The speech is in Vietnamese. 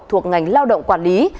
thuộc ngành lao động quản lý